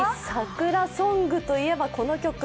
さくらソングといえばこの曲。